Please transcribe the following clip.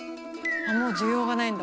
「もう需要がないんだ。